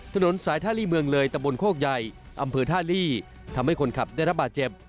ถนนสายท่าลีเมืองเลยตะบนโคกใหญ่อำเภอท่าลี่ทำให้คนขับได้รับบาดเจ็บ